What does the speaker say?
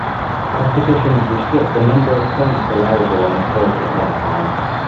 Competitions restrict the number of points allowable on the court at one time.